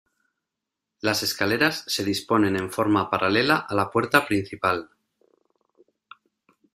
Las escaleras se disponen en forma paralela a la puerta principal.